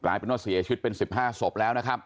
เป็นว่าเสียชีวิตเป็น๑๕ศพแล้วนะครับ